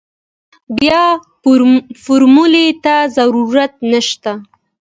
بيا فارمولې ته ضرورت نشته.